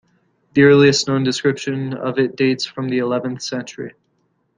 The earliest known description of it dates from the eleventh century.